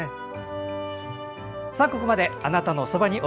ここまで「あなたのそばに」